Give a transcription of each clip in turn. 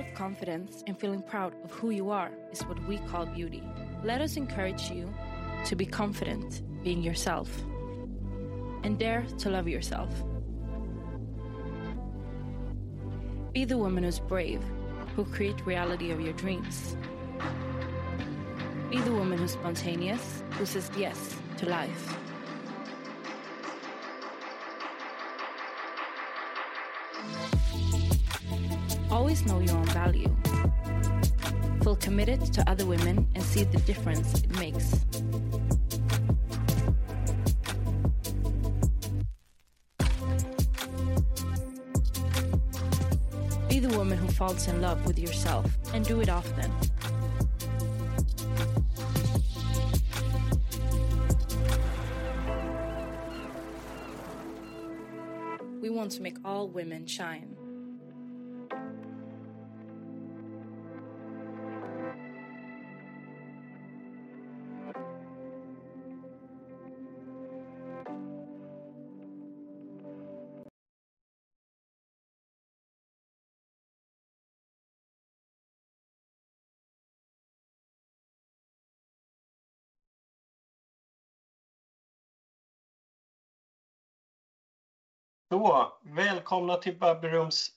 Self-confidence and feeling proud of who you are is what we call beauty. Let us encourage you to be confident being yourself and dare to love yourself. Be the woman who's brave, who create reality of your dreams. Be the woman who's spontaneous, who says yes to life. Always know your own value. Feel committed to other women and see the difference it makes. Be the woman who falls in love with yourself and do it often. We want to make all women shine. Välkomna till Bubbleroom's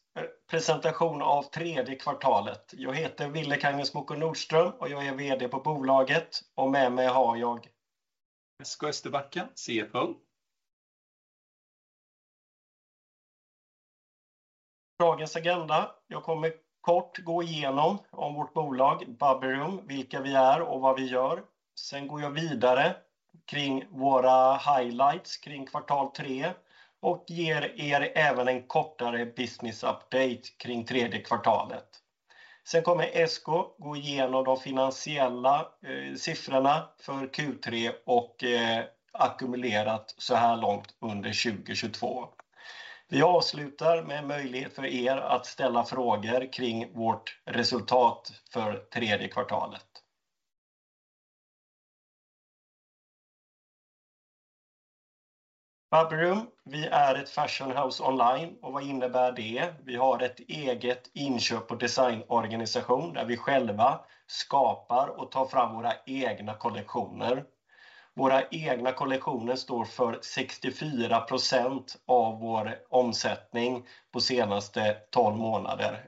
presentation av tredje kvartalet. Jag heter Ville Kangasmuukko Nordström och jag är VD på bolaget och med mig har jag Esko Österbacka, CFO. Dagens agenda. Jag kommer kort gå igenom om vårt bolag Bubbleroom, vilka vi är och vad vi gör. Sen går jag vidare kring våra highlights kring kvartal tre och ger er även en kortare business update kring tredje kvartalet. Sen kommer Esko gå igenom de finansiella siffrorna för Q3 och ackumulerat såhär långt under 2022. Vi avslutar med en möjlighet för er att ställa frågor kring vårt resultat för tredje kvartalet. Bubbleroom, vi är ett fashion house online och vad innebär det? Vi har ett eget inköp- och designorganisation där vi själva skapar och tar fram våra egna kollektioner. Våra egna kollektioner står för 64% av vår omsättning på senaste tolv månader. Ser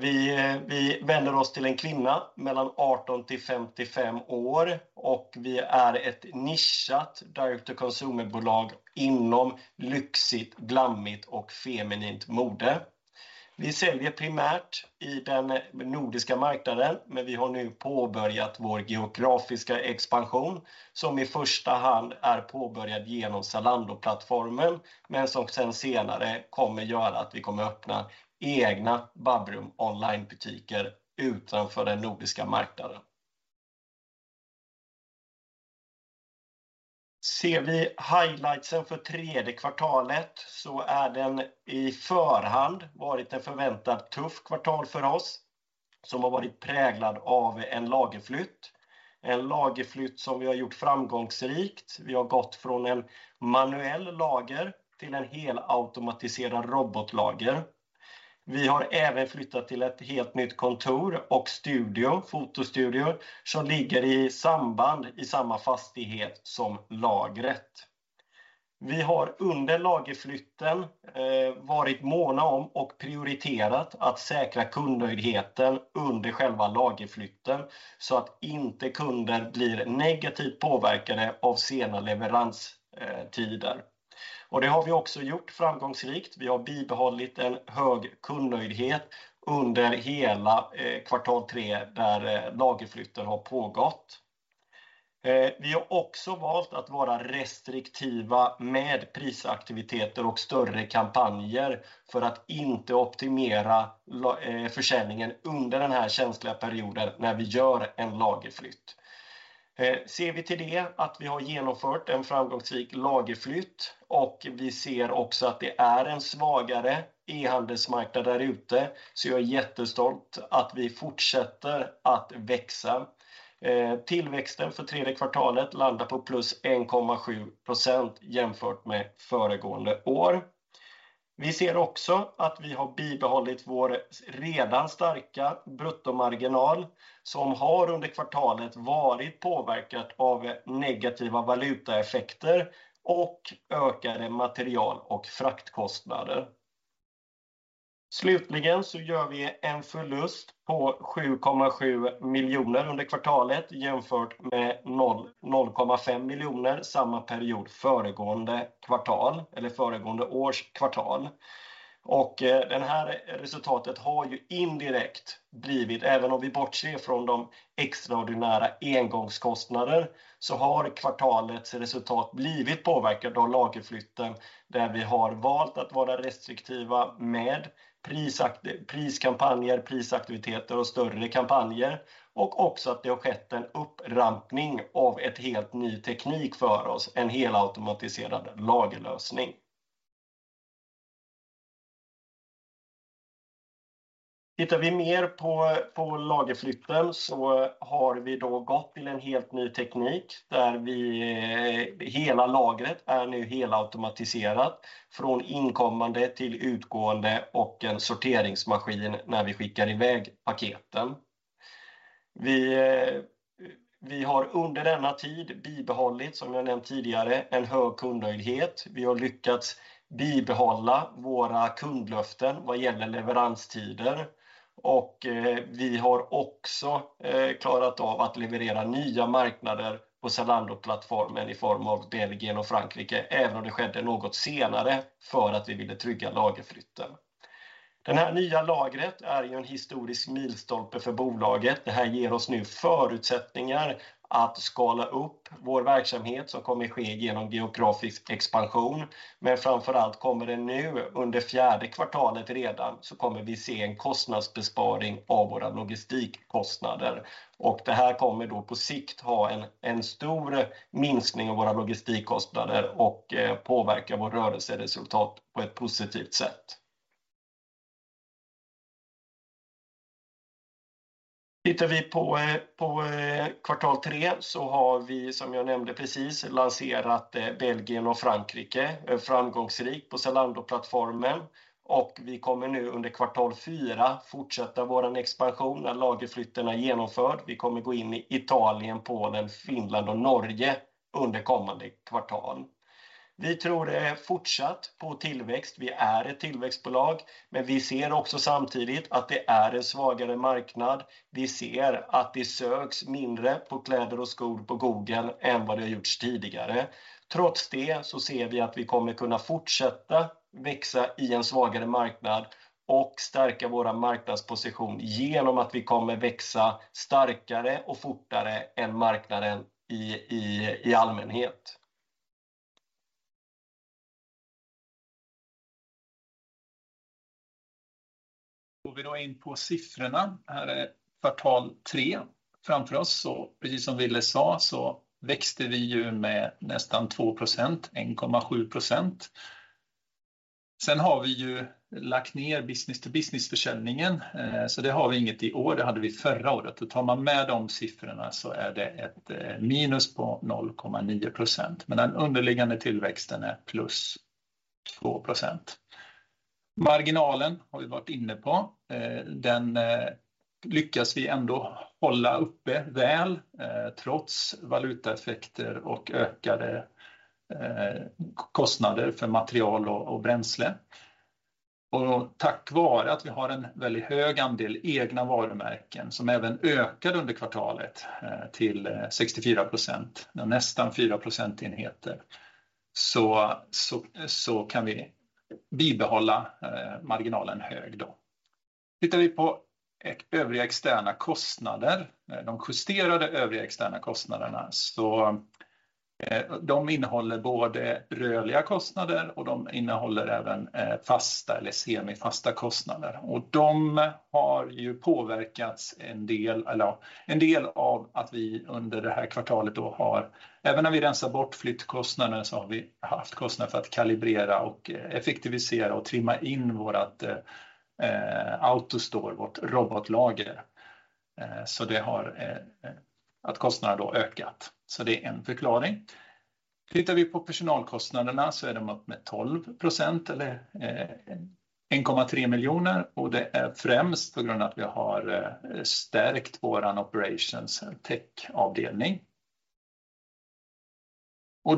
vi vänder oss till en kvinna mellan 18 till 55 år och vi är ett nischat direct to consumer-bolag inom lyxigt, glammigt och feminint mode. Vi säljer primärt i den nordiska marknaden, men vi har nu påbörjat vår geografiska expansion som i första hand är påbörjad genom Zalando-plattformen, men som sedan senare kommer göra att vi kommer öppna egna Bubbleroom onlinebutiker utanför den nordiska marknaden. Ser vi highlights för tredje kvartalet så är den i förväg varit en förväntad tuff kvartal för oss som har varit präglad av en lagerflytt. En lagerflytt som vi har gjort framgångsrikt. Vi har gått från en manuell lager till en helautomatiserad robotlager. Vi har även flyttat till ett helt nytt kontor och studio, fotostudio, som ligger i samband i samma fastighet som lagret. Vi har under lagerflytten varit måna om och prioriterat att säkra kundnöjdheten under själva lagerflytten så att inte kunder blir negativt påverkade av sena leveranstider. Det har vi också gjort framgångsrikt. Vi har bibehållit en hög kundnöjdhet under hela kvartal tre där lagerflytten har pågått. Vi har också valt att vara restriktiva med prisaktiviteter och större kampanjer för att inte optimera försäljningen under den här känsliga perioden när vi gör en lagerflytt. Ser vi till det att vi har genomfört en framgångsrik lagerflytt och vi ser också att det är en svagare e-handelsmarknad där ute. Jag är jättestolt att vi fortsätter att växa. Tillväxten för tredje kvartalet landar på +1.7% jämfört med föregående år. Vi ser också att vi har bibehållit vår redan starka bruttomarginal som har under kvartalet varit påverkat av negativa valutaeffekter och ökade material- och fraktkostnader. Slutligen så gör vi en förlust på SEK 7.7 miljoner under kvartalet jämfört med SEK 0.05 miljoner samma period föregående kvartal eller föregående års kvartal. Det här resultatet har ju indirekt blivit, även om vi bortser från de extraordinära engångskostnader, så har kvartalets resultat blivit påverkat av lagerflytten, där vi har valt att vara restriktiva med prissänkningar, priskampanjer, prisaktiviteter och större kampanjer och också att det har skett en upprampning av en helt ny teknik för oss, en helautomatiserad lagerlösning. Tittar vi mer på lagerflytten så har vi då gått till en helt ny teknik där vi hela lagret är nu helautomatiserat från inkommande till utgående och en sorteringsmaskin när vi skickar iväg paketen. Vi har under denna tid bibehållit, som jag nämnt tidigare, en hög kundnöjdhet. Vi har lyckats bibehålla våra kundlöften vad gäller leveranstider och vi har också klarat av att leverera nya marknader på Zalando-plattformen i form av Belgien och Frankrike, även om det skedde något senare för att vi ville trygga lagerflytten. Det här nya lagret är ju en historisk milstolpe för bolaget. Det här ger oss nu förutsättningar att skala upp vår verksamhet som kommer ske igenom geografisk expansion. Men framför allt kommer det nu under fjärde kvartalet redan, så kommer vi se en kostnadsbesparing av våra logistikkostnader. Det här kommer då på sikt ha en stor minskning av våra logistikkostnader och påverka vår rörelseresultat på ett positivt sätt. Tittar vi på kvartal tre så har vi, som jag nämnde precis, lanserat Belgien och Frankrike framgångsrikt på Zalando-plattformen och vi kommer nu under kvartal fyra fortsätta vår expansion när lagerflytten är genomförd. Vi kommer gå in i Italien, Polen, Finland och Norge under kommande kvartal. Vi tror fortsatt på tillväxt. Vi är ett tillväxtbolag, men vi ser också samtidigt att det är en svagare marknad. Vi ser att det söks mindre på kläder och skor på Google än vad det har gjort tidigare. Trots det så ser vi att vi kommer kunna fortsätta växa i en svagare marknad och stärka vår marknadsposition genom att vi kommer växa starkare och fortare än marknaden i allmänhet. Går vi då in på siffrorna. Här är kvartal tre framför oss. Precis som Ville sa, så växte vi ju med nästan 2%, 1.7%. Har vi ju lagt ner business-to-business-försäljningen, så det har vi inget i år. Det hade vi förra året. Tar man med de siffrorna så är det ett minus på 0.9%. Den underliggande tillväxten är +2%. Marginalen har vi varit inne på. Den lyckas vi ändå hålla uppe väl, trots valutaeffekter och ökade kostnader för material och bränsle. Tack vare att vi har en väldigt hög andel egna varumärken som även ökade under kvartalet till 64%, nästan 4 procentenheter, så kan vi bibehålla marginalen hög då. Tittar vi på övriga externa kostnader, de justerade övriga externa kostnaderna, så de innehåller både rörliga kostnader och de innehåller även fasta eller semifasta kostnader. De har ju påverkats en del av att vi under det här kvartalet har, även när vi rensar bort flyttkostnaderna, så har vi haft kostnader för att kalibrera och effektivisera och trimma in vårt AutoStore, vårt robotlager. Så det har ökat kostnaden. Det är en förklaring. Tittar vi på personalkostnaderna så är det upp med 12% eller SEK 1.3 million och det är främst på grund av att vi har stärkt vår operations tech-avdelning.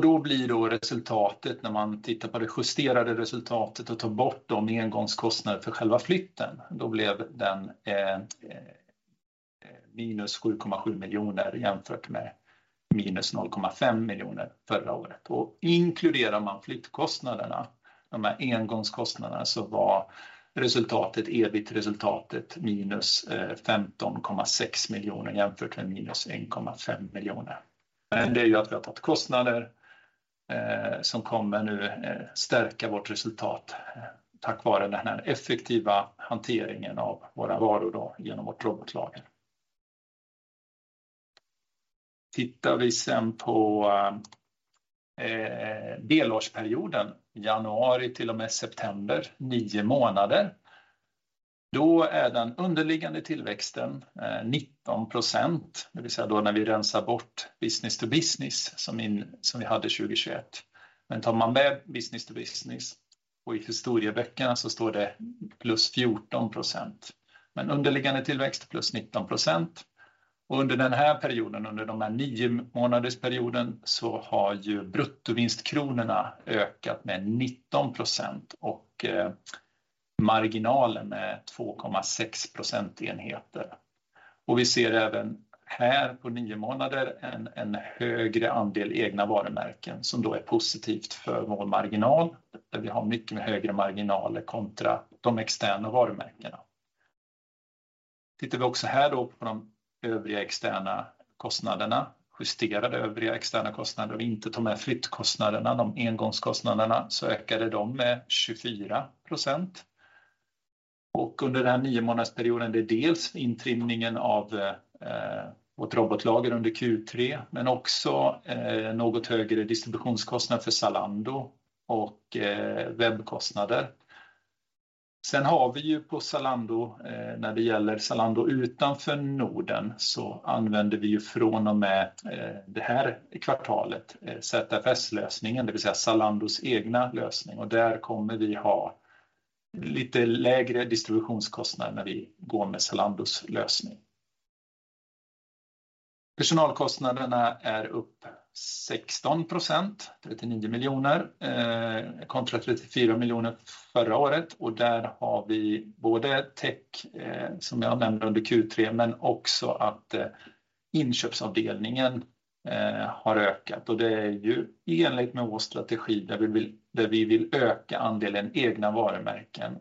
Då blir resultatet när man tittar på det justerade resultatet och tar bort de engångskostnader för själva flytten. Då blev den SEK -7.7 million jämfört med SEK -0.5 million förra året. Inkluderar man flyttkostnaderna, de här engångskostnaderna, så var resultatet, EBIT-resultatet SEK -15.6 million jämfört med SEK -1.5 million. Men det är ju att vi har tagit kostnader, som kommer stärka vårt resultat tack vare den här effektiva hanteringen av våra varor då genom vårt robotlager. Tittar vi sen på delårsperioden januari till och med september, 9 månader. Då är den underliggande tillväxten 19%, det vill säga då när vi rensar bort business-to-business som in, som vi hade 2021. Men tar man med business-to-business och i historieböckerna så står det +14%. Underliggande tillväxt +19%. Under den här perioden, under de här 9 månadersperioden, så har ju bruttovinstkronorna ökat med 19% och marginalen med 2.6 procentenheter. Vi ser även här på 9 månader en högre andel egna varumärken som då är positivt för vår marginal, där vi har mycket högre marginaler kontra de externa varumärkena. Tittar vi också här då på de övriga externa kostnaderna, justerade övriga externa kostnader och inte ta med flyttkostnaderna, de engångskostnaderna, så ökade de med 24%. Och under den här 9 månadersperioden, det är dels intrimningen av vårt robotlager under Q3, men också något högre distributionskostnad för Zalando och webbkostnader. Sen har vi ju på Zalando, när det gäller Zalando utanför Norden, så använder vi ju från och med det här kvartalet ZFS-lösningen, det vill säga Zalandos egna lösning. Och där kommer vi ha lite lägre distributionskostnader när vi går med Zalandos lösning. Personalkostnaderna är upp 16%, SEK 39 million, kontra SEK 34 million förra året. Där har vi både tech, som jag nämnde under Q3, men också att inköpsavdelningen har ökat. Det är ju i enlighet med vår strategi där vi vill öka andelen egna varumärken,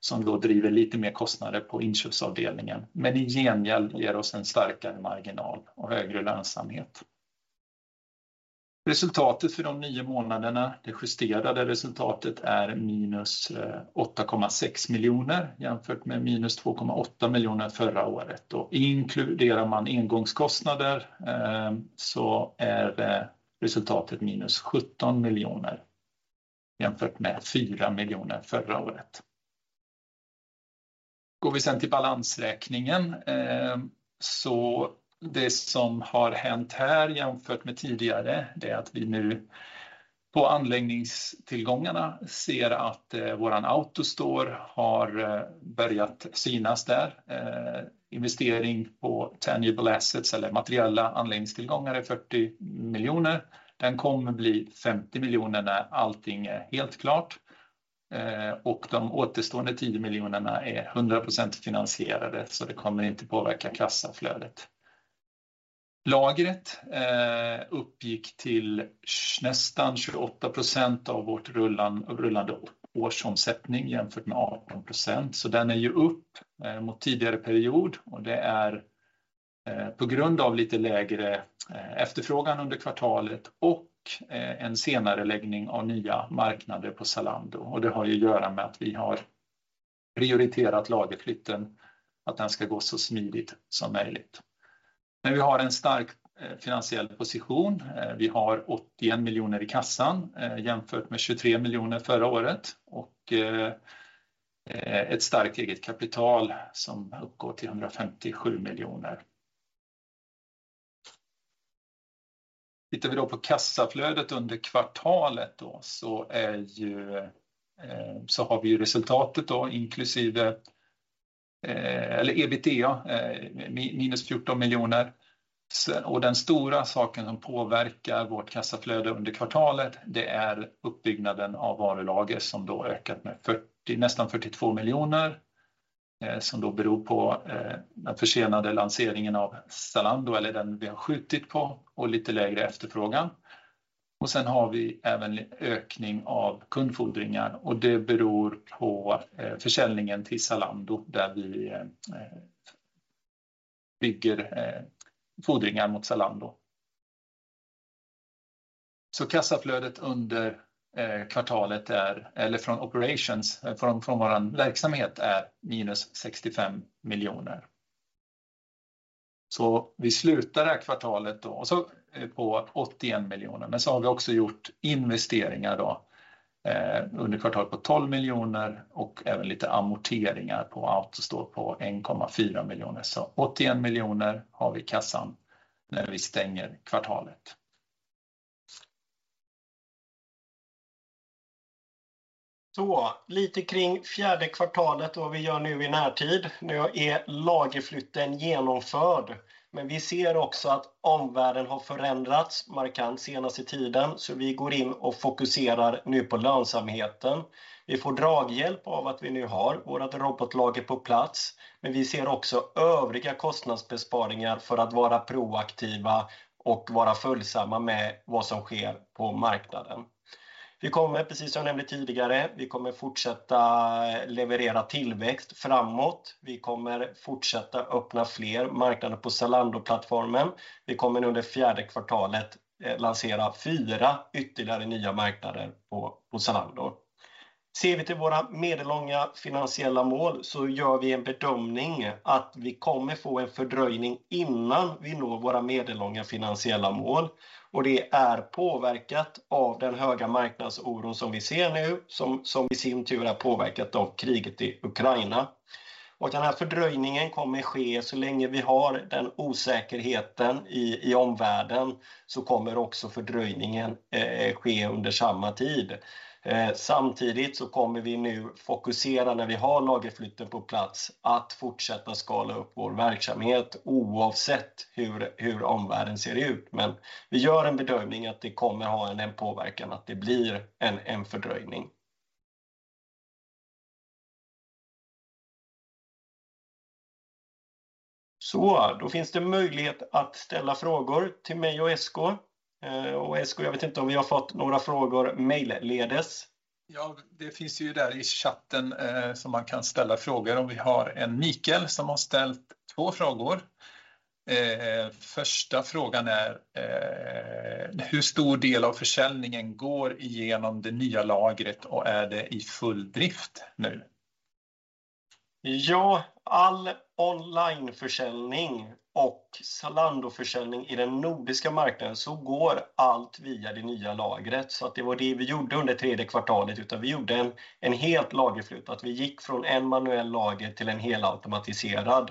som då driver lite mer kostnader på inköpsavdelningen. Men i gengäld ger oss en starkare marginal och högre lönsamhet. Resultatet för de nio månaderna, det justerade resultatet, är SEK -8.6 million jämfört med SEK -2.8 million förra året. Inkluderar man engångskostnader, så är resultatet SEK -17 million jämfört med SEK 4 million förra året. Går vi sen till balansräkningen, så det som har hänt här jämfört med tidigare är att vi nu på anläggningstillgångarna ser att vår AutoStore har börjat synas där. Investering på tangible assets eller materiella anläggningstillgångar är SEK 40 million. Den kommer bli SEK 50 million när allting är helt klart. De återstående 10 miljonerna är hundra procent finansierade, så det kommer inte påverka kassaflödet. Lagret uppgick till nästan 28% av vårt rullande årsomsättning jämfört med 18%. Den är ju upp mot tidigare period och det är på grund av lite lägre efterfrågan under kvartalet och en senareläggning av nya marknader på Zalando. Det har ju att göra med att vi har prioriterat lagerflytten, att den ska gå så smidigt som möjligt. Vi har en stark finansiell position. Vi har SEK 81 miljoner i kassan jämfört med SEK 23 miljoner förra året och ett starkt eget kapital som uppgår till SEK 157 miljoner. Tittar vi då på kassaflödet under kvartalet då, så har vi resultatet då inklusive eller EBITDA, minus SEK 14 miljoner. Den stora saken som påverkar vårt kassaflöde under kvartalet, det är uppbyggnaden av varulager som då ökat med 40, nästan 42 miljoner SEK. Som då beror på den försenade lanseringen av Zalando eller den vi har skjutit på och lite lägre efterfrågan. Sen har vi även ökning av kundfordringar och det beror på försäljningen till Zalando, där vi bygger fordringar mot Zalando. Kassaflödet under kvartalet är, eller från operationsverksamheten är minus SEK 65 miljoner. Vi slutar det här kvartalet då och så på SEK 18 miljoner. Vi har också gjort investeringar under kvartalet på SEK 12 miljoner och även lite amorteringar på AutoStore på 1.4 miljoner SEK. SEK 18 miljoner har vi i kassan när vi stänger kvartalet. Lite kring fjärde kvartalet och vad vi gör nu i närtid. Nu är lagerflytten genomförd, men vi ser också att omvärlden har förändrats markant senast i tiden. Så vi går in och fokuserar nu på lönsamheten. Vi får draghjälp av att vi nu har vårt robotlager på plats, men vi ser också övriga kostnadsbesparingar för att vara proaktiva och vara följsamma med vad som sker på marknaden. Vi kommer, precis som jag nämnde tidigare, vi kommer fortsätta leverera tillväxt framåt. Vi kommer fortsätta öppna fler marknader på Zalando-plattformen. Vi kommer under fjärde kvartalet lansera fyra ytterligare nya marknader på Zalando. Ser vi till våra medellånga finansiella mål så gör vi en bedömning att vi kommer få en fördröjning innan vi når våra medellånga finansiella mål. Det är påverkat av den höga marknadsoron som vi ser nu, som i sin tur är påverkat av kriget i Ukraina. Den här fördröjningen kommer ske så länge vi har den osäkerheten i omvärlden, så kommer också fördröjningen ske under samma tid. Samtidigt så kommer vi nu fokusera när vi har lagerflytten på plats att fortsätta skala upp vår verksamhet oavsett hur omvärlden ser ut. Vi gör en bedömning att det kommer ha en påverkan att det blir en fördröjning. Då finns det möjlighet att ställa frågor till mig och Esko Österbacka. Esko Österbacka, jag vet inte om vi har fått några frågor mejlledes. Ja, det finns ju där i chatten, som man kan ställa frågor. Vi har en Mikael som har ställt två frågor. Första frågan är: Hur stor del av försäljningen går igenom det nya lagret och är det i full drift nu? All onlineförsäljning och Zalando-försäljning i den nordiska marknaden går allt via det nya lagret. Det var det vi gjorde under tredje kvartalet. Vi gjorde en helt lagerflytt. Vi gick från en manuell lager till en helautomatiserad.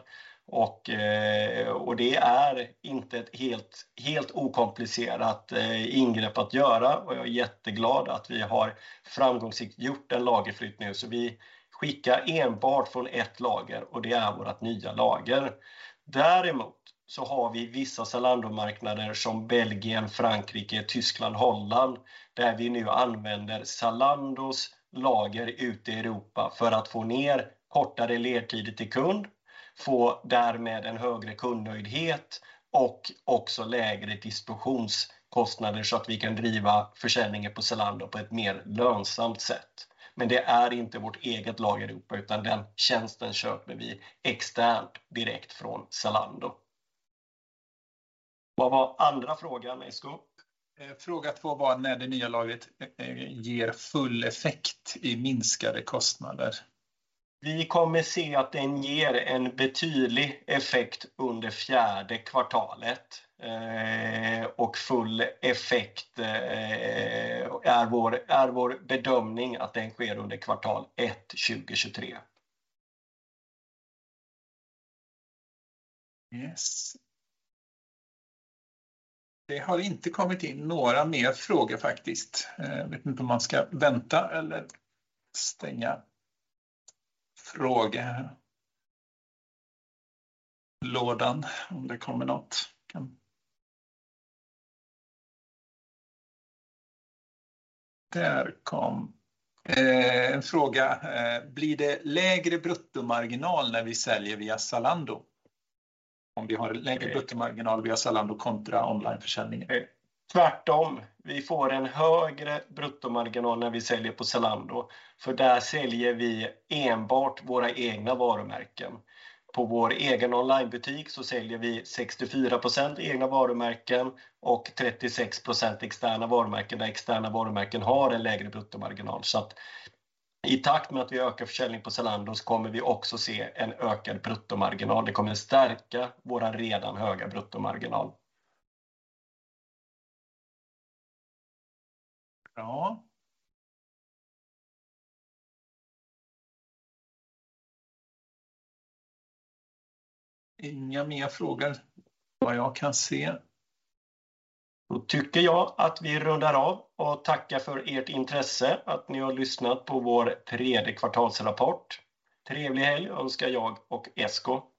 Det är inte ett helt okomplicerat ingrepp att göra. Jag är jätteglad att vi har framgångsrikt gjort en lagerflytt nu. Vi skickar enbart från ett lager och det är vårt nya lager. Däremot har vi vissa Zalando-marknader som Belgien, Frankrike, Tyskland, Holland, där vi nu använder Zalandos lager ute i Europa för att få ner kortare ledtider till kund, få därmed en högre kundnöjdhet och också lägre distributionskostnader så att vi kan driva försäljningen på Zalando på ett mer lönsamt sätt. Det är inte vårt eget lager i Europa, utan den tjänsten köper vi externt direkt från Zalando. Vad var andra frågan, Esko? Fråga två var när det nya lagret ger full effekt i minskade kostnader. Vi kommer att se att den ger en betydlig effekt under fjärde kvartalet. Full effekt är vår bedömning att den sker under kvartal ett 2023. Yes. Det har inte kommit in några mer frågor faktiskt. Jag vet inte om man ska vänta eller stänga frågelådan om det kommer något. Där kom en fråga: Blir det lägre bruttomarginal när vi säljer via Zalando? Om vi har lägre bruttomarginal via Zalando kontra onlineförsäljningen. Tvärtom, vi får en högre bruttomarginal när vi säljer på Zalando. För där säljer vi enbart våra egna varumärken. På vår egen onlinebutik så säljer vi 64% egna varumärken och 36% externa varumärken, där externa varumärken har en lägre bruttomarginal. Så att i takt med att vi ökar försäljning på Zalando kommer vi också se en ökad bruttomarginal. Det kommer att stärka vår redan höga bruttomarginal. Ja. Inga mer frågor vad jag kan se. Då tycker jag att vi rundar av och tackar för ert intresse att ni har lyssnat på vår tredje kvartalsrapport. Trevlig helg önskar jag och Esko.